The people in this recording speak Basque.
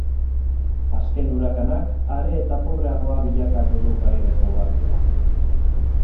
Azken hurakanak are eta pobreagoa bilakatu du karibeko uhartea.